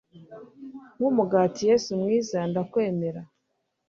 nk'umugati yezu mwiza ndakwemera